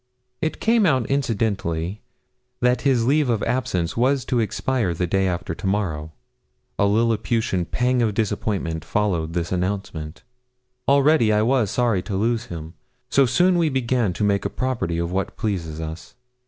It came out incidentally that his leave of absence was to expire the day after to morrow. A Lilliputian pang of disappointment followed this announcement. Already I was sorry to lose him. So soon we begin to make a property of what pleases us.